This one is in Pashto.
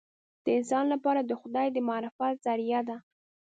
د انسان لپاره د خدای د معرفت ذریعه ده.